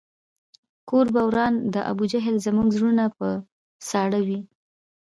کور به وران د ابوجهل زموږ زړونه په ساړه وي